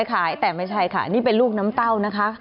ขายแต่ไม่ใช่ค่ะนี่เป็นลูกน้ำเต้านะคะ